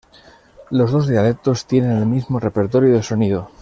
Los dos dialectos tienen el mismo repertorio de sonido.